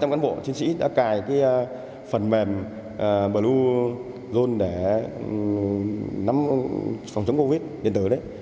một trăm linh cán bộ chiến sĩ đã cài phần mềm bluezone để nắm phòng chống covid một mươi chín đến tới đấy